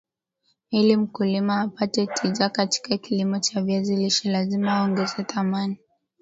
Ili mkulima apate tija katika kilimo cha viazi lishe lazima aongeze thamani